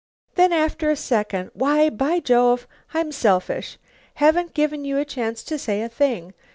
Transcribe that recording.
Then after a second, "Why, by Jove! I'm selfish. Haven't given you a chance to say a thing.